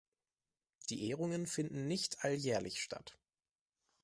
Die Ehrungen finden nicht alljährlich statt.